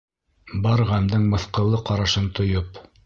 Бар ғәмдең мыҫҡыллы ҡарашын тойоп.